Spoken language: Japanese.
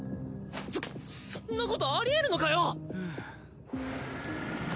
そそんなことありえるのかよ！？